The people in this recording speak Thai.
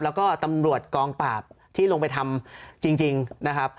แล้วก็ตำรวจกองปราบที่ลงไปทำจริงนะครับ